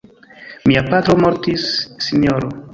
Mia patro mortis, sinjoro.